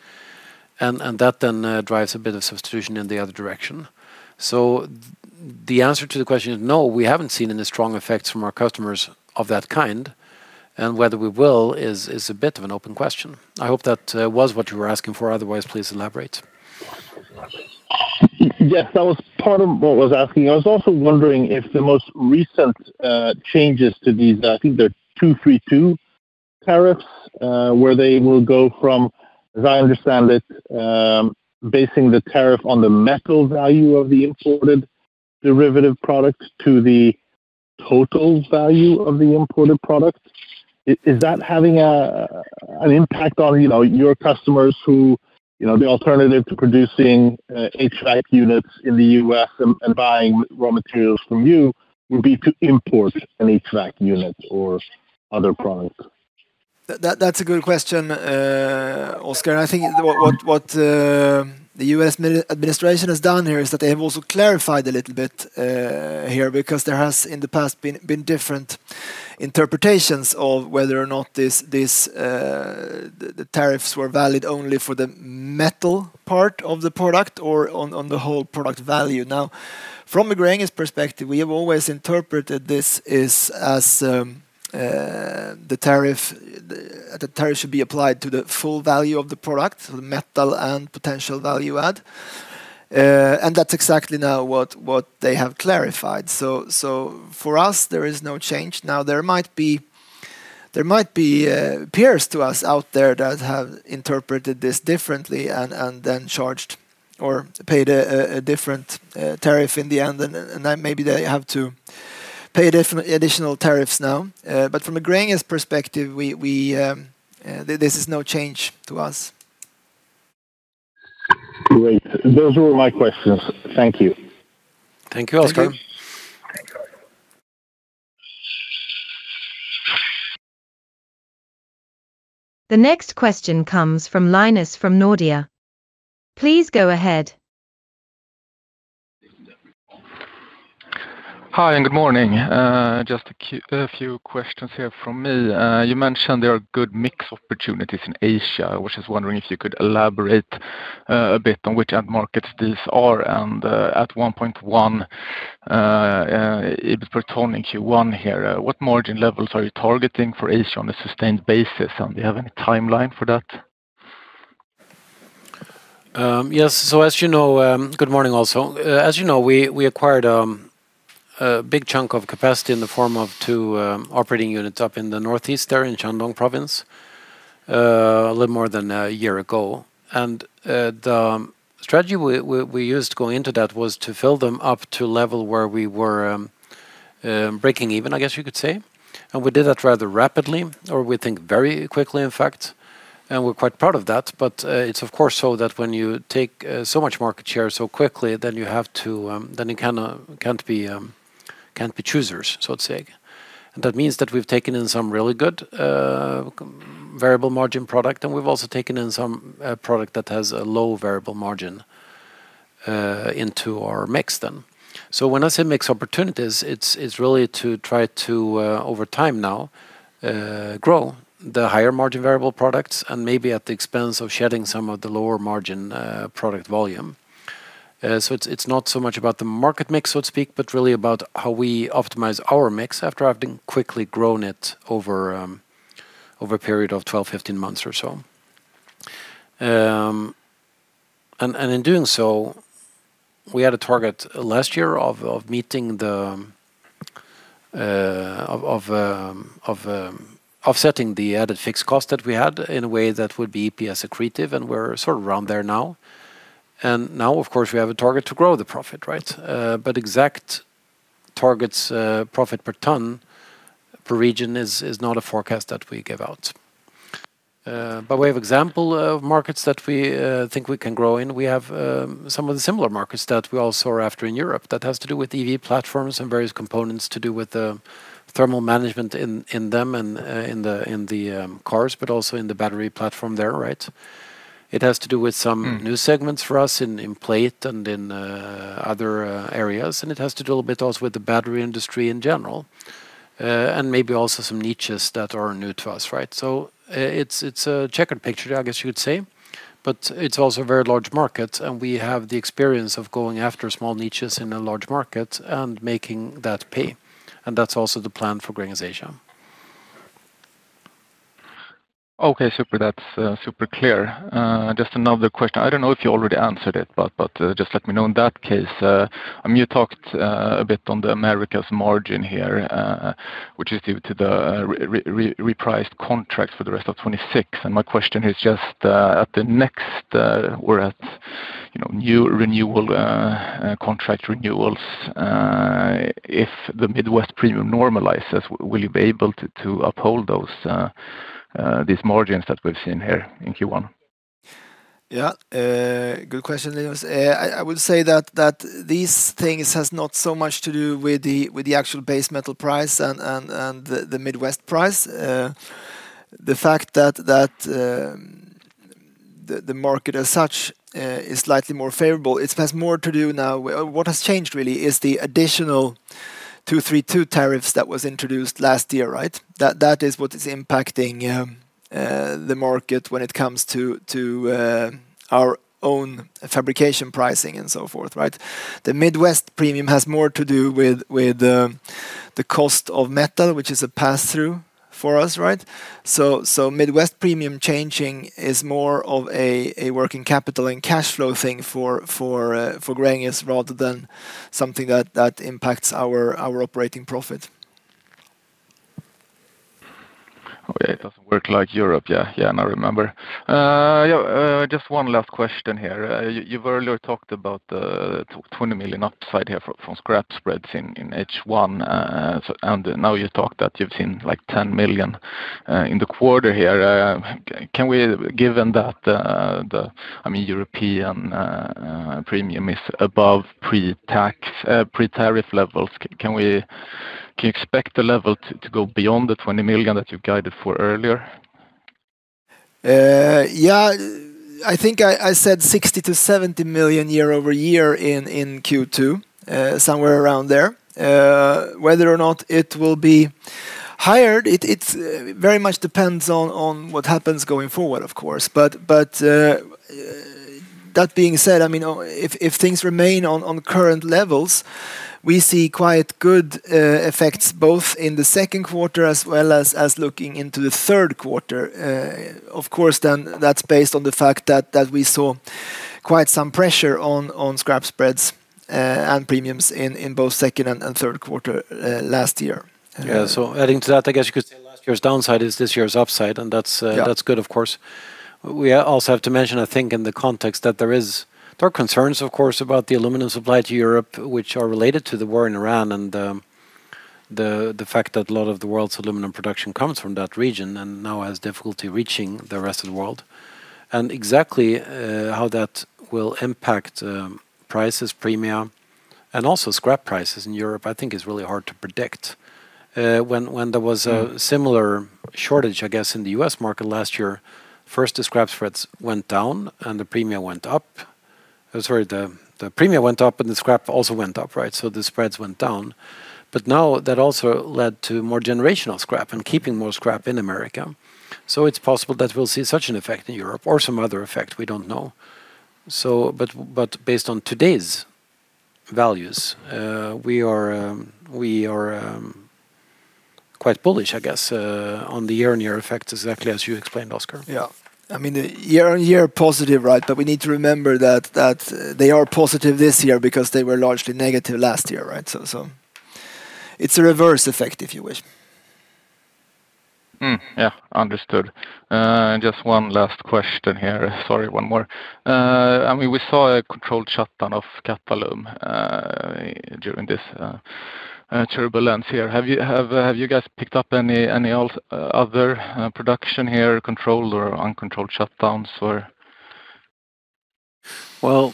That then drives a bit of substitution in the other direction. The answer to the question is no, we haven't seen any strong effects from our customers of that kind, and whether we will is a bit of an open question. I hope that was what you were asking for. Otherwise, please elaborate. Yes, that was part of what I was asking. I was also wondering if the most recent changes to these, I think they're 232 tariffs, where they will go from, as I understand it, basing the tariff on the metal value of the imported derivative products to the total value of the imported products. Is that having an impact on your customers who, the alternative to producing HVAC units in the U.S. and buying raw materials from you would be to import an HVAC unit or other products? That's a good question, Oskar. I think what the U.S. administration has done here is that they have also clarified a little bit here because there has in the past been different interpretations of whether or not the tariffs were valid only for the metal part of the product or on the whole product value. Now, from a Gränges perspective, we have always interpreted this as the tariff should be applied to the full value of the product, the metal and potential value add. That's exactly now what they have clarified. For us, there is no change. Now, there might be peers to us out there that have interpreted this differently and then charged or paid a different tariff in the end. Maybe they have to pay additional tariffs now. From a Gränges perspective, this is no change to us. Great. Those were all my questions. Thank you. Thank you, Oskar. Thank you. The next question comes from Linus from Nordea. Please go ahead. Hi, and good morning. Just a few questions here from me. You mentioned there are good mix opportunities in Asia. I was just wondering if you could elaborate a bit on which end markets these are and at 1.1, EBIT per ton in Q1 here, what margin levels are you targeting for Asia on a sustained basis, and do you have any timeline for that? Yes. Good morning also. As you know, we acquired a big chunk of capacity in the form of two operating units up in the northeast there in Shandong Province, a little more than a year ago. The strategy we used going into that was to fill them up to a level where we were breaking even, I guess you could say. We did that rather rapidly, or we think very quickly, in fact, and we're quite proud of that. It's of course so that when you take so much market share so quickly, then you can't be choosers, so to say. That means that we've taken in some really good variable margin product, and we've also taken in some product that has a low variable margin into our mix then. When I say mix opportunities, it's really to try to, over time now, grow the higher margin variable products and maybe at the expense of shedding some of the lower margin product volume. It's not so much about the market mix, so to speak, but really about how we optimize our mix after having quickly grown it over a period of 12, 15 months or so. In doing so, we had a target last year of offsetting the added fixed cost that we had in a way that would be EPS accretive, and we're sort of around there now. Now, of course, we have a target to grow the profit. Exact targets, profit per ton per region is not a forecast that we give out. By way of example of markets that we think we can grow in, we have some of the similar markets that we also are after in Europe that has to do with EV platforms and various components to do with the thermal management in them and in the cars, but also in the battery platform there. It has to do with some new segments for us in plate and in other areas, and it has to do a little bit also with the battery industry in general. Maybe also some niches that are new to us. It's a checkered picture, I guess you would say, but it's also a very large market, and we have the experience of going after small niches in a large market and making that pay. That's also the plan for Gränges Asia. Okay, super. That's super clear. Just another question. I don't know if you already answered it, but just let me know in that case. You talked a bit on the Americas margin here, which is due to the repriced contracts for the rest of 2026. My question is just at the next, we're at new contract renewals, if the Midwest premium normalizes, will you be able to uphold these margins that we've seen here in Q1? Yeah. Good question, Linus. I would say that these things has not so much to do with the actual base metal price and the Midwest price. The fact that the market as such is slightly more favorable, it has more to do now. What has changed really is the additional 232 tariffs that was introduced last year. That is what is impacting the market when it comes to our own fabrication pricing and so forth. The Midwest premium has more to do with the cost of metal, which is a pass-through for us. Midwest premium changing is more of a working capital and cash flow thing for Gränges rather than something that impacts our operating profit. Okay. It doesn't work like Europe. Yeah, now I remember. Just one last question here. You've earlier talked about the 20 million upside here from scrap spreads in H1, and now you talked that you've seen 10 million in the quarter here. Given that the European premium is above pre-tariff levels, can you expect the level to go beyond the 20 million that you guided for earlier? Yeah. I think I said 60 million-70 million year-over-year in Q2, somewhere around there. Whether or not it will be higher, it very much depends on what happens going forward, of course. That being said, if things remain on current levels, we see quite good effects both in the second quarter as well as looking into the third quarter. Of course, that's based on the fact that we saw quite some pressure on scrap spreads and premiums in both second and third quarter last year. Yeah. Adding to that, I guess you could say last year's downside is this year's upside. Yeah. That's good, of course. We also have to mention, I think, in the context that there are concerns, of course, about the aluminum supply to Europe, which are related to the war in Iran and the fact that a lot of the world's aluminum production comes from that region and now has difficulty reaching the rest of the world. Exactly how that will impact price premiums and also scrap prices in Europe, I think, is really hard to predict. When there was a similar shortage, I guess, in the U.S. market last year, first the scrap spreads went down and the premium went up. Sorry, the premium went up and the scrap also went up, so the spreads went down. Now that also led to more generated scrap and keeping more scrap in America. It's possible that we'll see such an effect in Europe or some other effect, we don't know. Based on today's values, we are quite bullish, I guess, on the year-on-year effects, exactly as you explained, Oskar. Yeah. Year on year positive, but we need to remember that they are positive this year because they were largely negative last year. It's a reverse effect, if you wish. Yeah. Understood. Just one last question here. Sorry, one more. We saw a controlled shutdown of Qatalum during this turbulence here. Have you guys picked up any other production here, controlled or uncontrolled shutdowns or? Well,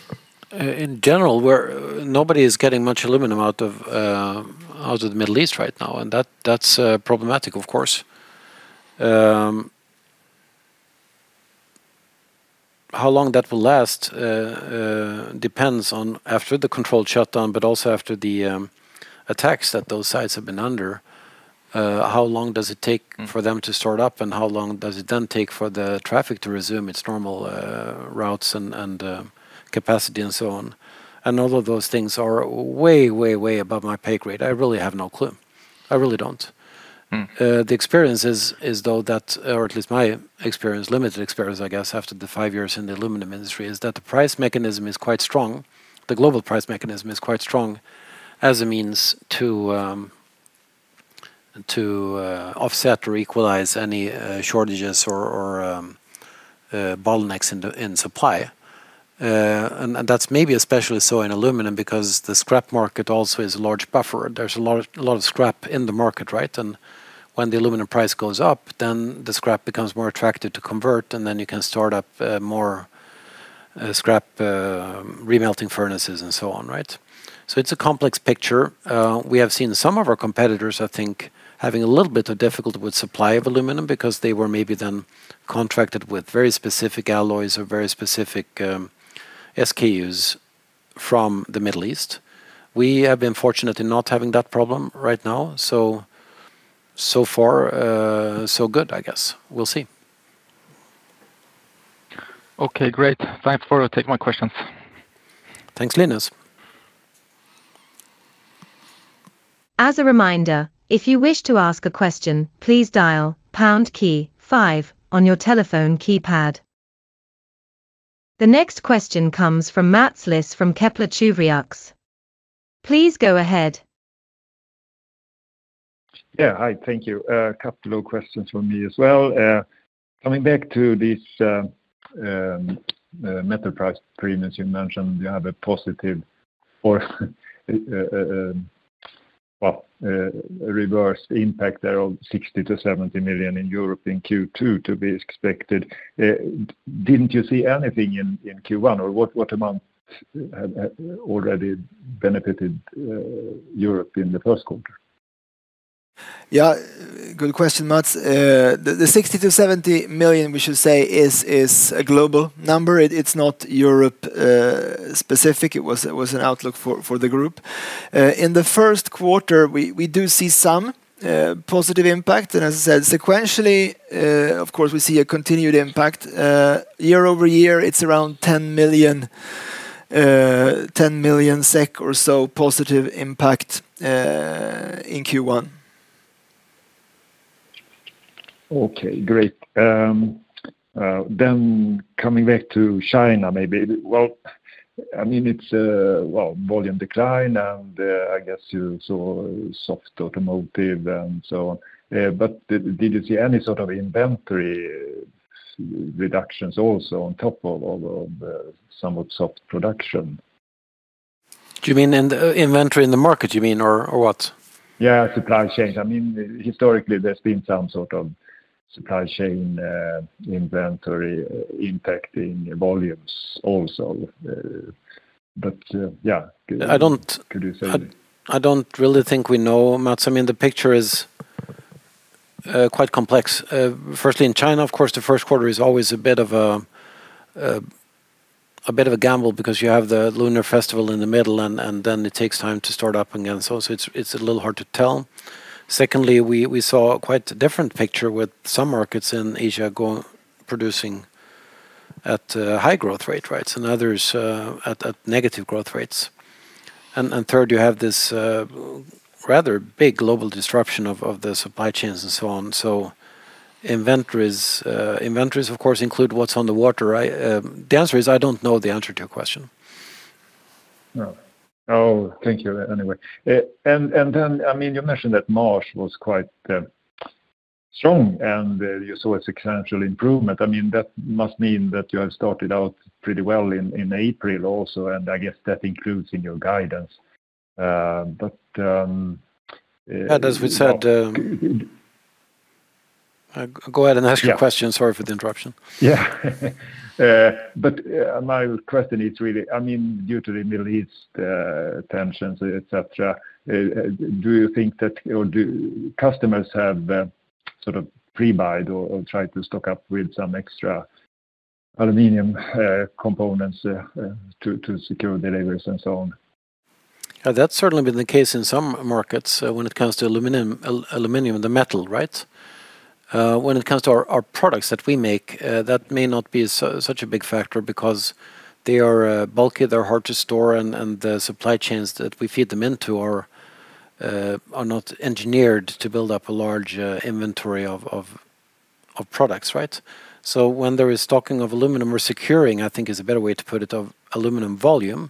in general, nobody is getting much aluminum out of the Middle East right now, and that's problematic, of course. How long that will last depends on, after the controlled shutdown, but also after the attacks that those sites have been under, how long does it take for them to start up, and how long does it then take for the traffic to resume its normal routes and capacity and so on? All of those things are way above my pay grade. I really have no clue. I really don't. Mm-hmm. The experience is, though, or at least my limited experience, I guess, after the five years in the aluminum industry, is that the price mechanism is quite strong. The global price mechanism is quite strong as a means to offset or equalize any shortages or bottlenecks in supply. That's maybe especially so in aluminum because the scrap market also is a large buffer. There's a lot of scrap in the market. When the aluminum price goes up, then the scrap becomes more attractive to convert, and then you can start up more scrap remelting furnaces and so on. It's a complex picture. We have seen some of our competitors, I think, having a little bit of difficulty with supply of aluminum because they were maybe then contracted with very specific alloys or very specific SKUs from the Middle East. We have been fortunate in not having that problem right now. So far so good, I guess. We'll see. Okay, great. Thanks for taking my questions. Thanks, Linus. As a reminder, if you wish to ask a question, please dial # five on your telephone keypad. The next question comes from Mats Liss from Kepler Cheuvreux. Please go ahead. Yeah. Hi, thank you. A couple of questions from me as well. Coming back to this metal price premium, you mentioned you have a positive or adverse impact there of 60 million-70 million in Europe in Q2 to be expected. Didn't you see anything in Q1, or what amount had already benefited Europe in the? [inaudible] Yeah. Good question, Mats. The 60 million-70 million, we should say, is a global number. It's not Europe-specific. It was an outlook for the group. In the first quarter, we do see some positive impact. As I said, sequentially, of course, we see a continued impact. Year-over-year, it's around 10 million SEK or so positive impact in Q1. Okay, great. Coming back to China, maybe. Well, it's volume decline, and I guess you saw soft automotive and so on. Did you see any sort of inventory reductions also on top of some soft production? Inventory in the market, you mean, or what? Yeah, supply chains. Historically, there's been some sort of supply chain inventory impacting volumes also. Yeah. I don't really think we know, Mats. The picture is quite complex. Firstly, in China, of course, the first quarter is always a bit of a gamble because you have the Lunar Festival in the middle, and then it takes time to start up again. It's a little hard to tell. Secondly, we saw quite a different picture with some markets in Asia producing at high growth rate. Others at negative growth rates. Third, you have this rather big global disruption of the supply chains and so on. Inventories, of course, include what's on the water. The answer is, I don't know the answer to your question. Oh, thank you anyway. You mentioned that March was quite strong, and you saw a sequential improvement. That must mean that you have started out pretty well in April also, and I guess that includes in your guidance. As we said, go ahead and ask your question. Sorry for the interruption. Yeah. My question is really, due to the Middle East tensions, et cetera, do you think that, or do customers have sort of pre-buy or try to stock up with some extra aluminum components to secure deliveries and so on? That's certainly been the case in some markets when it comes to aluminum, the metal. When it comes to our products that we make, that may not be such a big factor because they are bulky, they're hard to store, and the supply chains that we feed them into are not engineered to build up a large inventory of products. When there is talking of aluminum or securing, I think is a better way to put it, of aluminum volume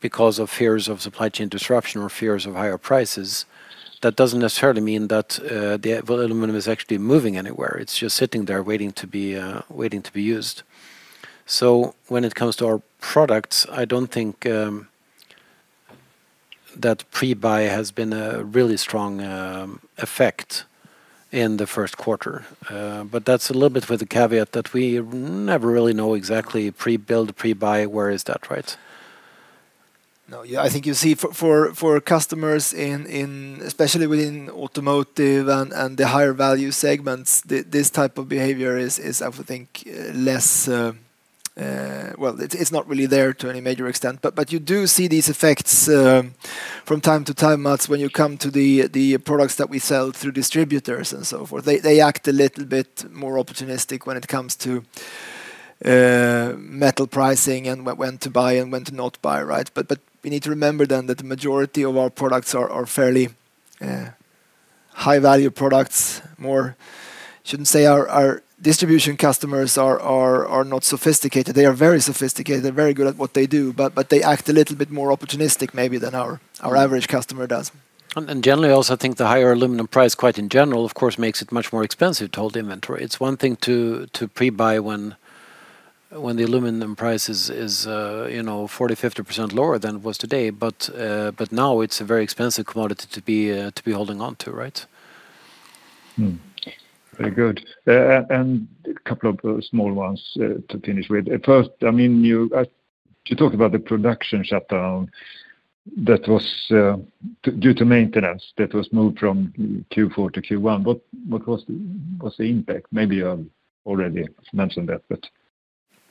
because of fears of supply chain disruption or fears of higher prices, that doesn't necessarily mean that the aluminum is actually moving anywhere. It's just sitting there waiting to be used. When it comes to our products, I don't think that pre-buy has been a really strong effect in the first quarter. That's a little bit with the caveat that we never really know exactly pre-build, pre-buy, where is that right? No. I think you see, for customers especially within automotive and the higher value segments, this type of behavior is, I would think, less. Well, it's not really there to any major extent. You do see these effects from time to time, Mats, when you come to the products that we sell through distributors and so forth. They act a little bit more opportunistic when it comes to metal pricing and when to buy and when to not buy. We need to remember then that the majority of our products are fairly high-value products. Shouldn't say our distribution customers are not sophisticated. They are very sophisticated. They're very good at what they do, but they act a little bit more opportunistic maybe than our average customer does. Generally, I also think the higher aluminum price quite in general, of course, makes it much more expensive to hold inventory. It's one thing to pre-buy when the aluminum price is 40%-50% lower than it was today. Now it's a very expensive commodity to be holding on to, right? Very good. A couple of small ones to finish with. First, you talk about the production shutdown that was due to maintenance, that was moved from Q4 to Q1. What was the impact? Maybe you have already mentioned that, but.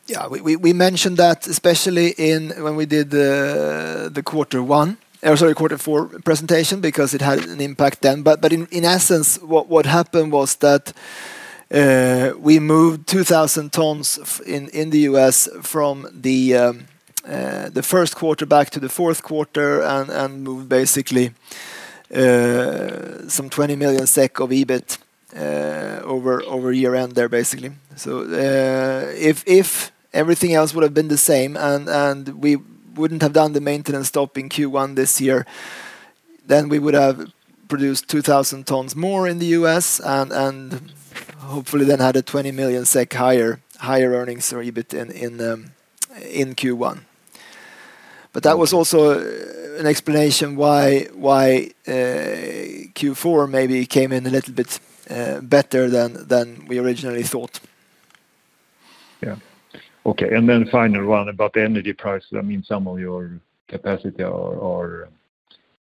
Yeah, we mentioned that especially when we did the quarter four presentation, because it had an impact then. In essence, what happened was that we moved 2,000 tons in the U.S. from the first quarter back to the fourth quarter and moved basically some 20 million SEK of EBIT over year-end there, basically. If everything else would have been the same and we wouldn't have done the maintenance stop in Q1 this year, then we would have produced 2,000 tons more in the U.S. and hopefully then had a 20 million SEK higher earnings or EBIT in Q1. That was also an explanation why Q4 maybe came in a little bit better than we originally thought. Yeah. Okay, final one about energy prices. Some of your capacity are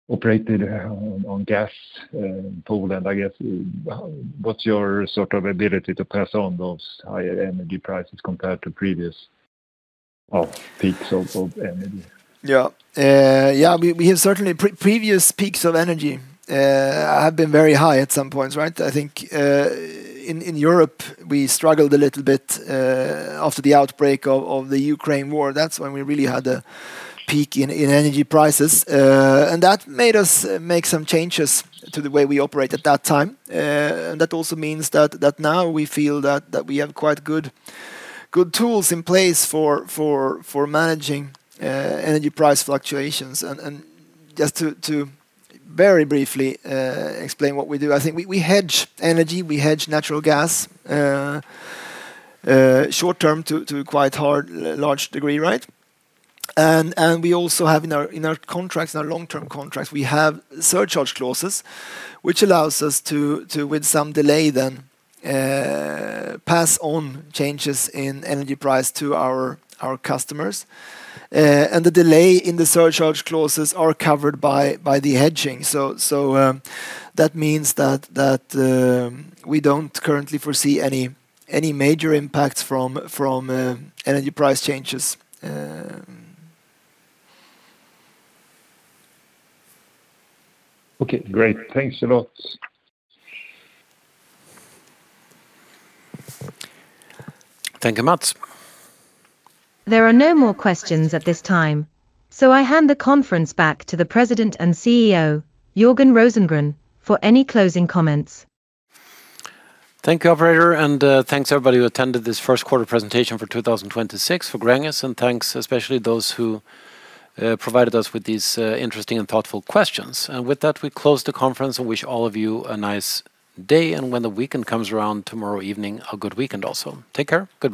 operated on gas pool. What's your ability to pass on those higher energy prices compared to previous peaks of energy? Yeah. Previous peaks of energy have been very high at some points, right? I think in Europe we struggled a little bit after the outbreak of the Ukraine war. That's when we really had a peak in energy prices. That made us make some changes to the way we operate at that time. That also means that now we feel that we have quite good tools in place for managing energy price fluctuations. Just to very briefly explain what we do. I think we hedge energy, we hedge natural gas short-term to a quite large degree, right? We also have in our long-term contracts, we have surcharge clauses, which allows us to, with some delay then, pass on changes in energy price to our customers. The delay in the surcharge clauses are covered by the hedging. That means that we don't currently foresee any major impacts from energy price changes. Okay, great. Thanks a lot. Thank you, Mats. There are no more questions at this time, so I hand the conference back to the President and CEO, Jörgen Rosengren, for any closing comments. Thank you, operator, and thanks everybody who attended this first quarter presentation for 2026 for Gränges, and thanks especially those who provided us with these interesting and thoughtful questions. With that, we close the conference and wish all of you a nice day, and when the weekend comes around tomorrow evening, a good weekend also. Take care. Goodbye.